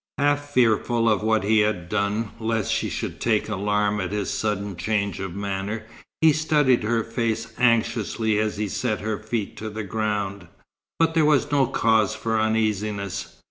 Half fearful of what he had done, lest she should take alarm at his sudden change of manner, he studied her face anxiously as he set her feet to the ground. But there was no cause for uneasiness.